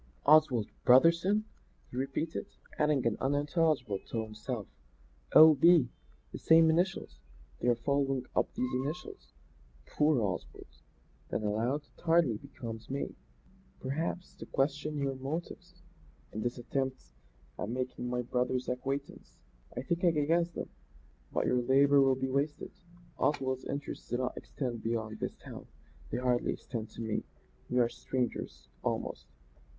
"Oswald Brotherson!" he repeated; adding in unintelligible tones to himself "O. B. The same initials! They are following up these initials. Poor Oswald." Then aloud: "It hardly becomes me, perhaps, to question your motives in this attempt at making my brother's acquaintance. I think I can guess them; but your labour will be wasted. Oswald's interests do not extend beyond this town; they hardly extend to me. We are strangers, almost.